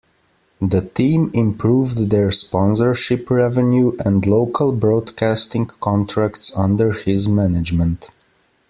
The team improved their sponsorship revenue and local broadcasting contracts under his management.